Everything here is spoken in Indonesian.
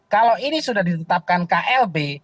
kalau ini sudah ditetapkan klb